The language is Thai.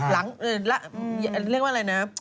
เรียกว่าอะไรนะ